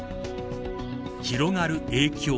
広がる影響。